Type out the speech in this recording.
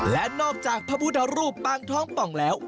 และนอกจากพระพุทธรูปปางท้องป่องแล้ว